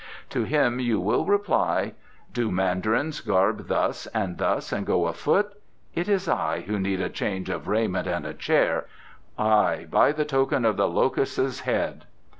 To him you will reply, 'Do mandarins garb thus and thus and go afoot? It is I who need a change of raiment and a chair; aye, by the token of the Locust's Head!